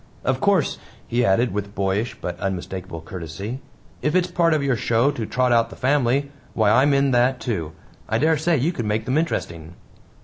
"Of course," he added with boyish but unmistakable courtesy, "if it's part of your show to trot out the family, why I'm in that, too. I dare say you could make them interesting."